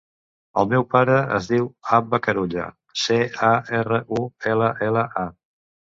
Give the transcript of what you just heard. El meu pare es diu Abba Carulla: ce, a, erra, u, ela, ela, a.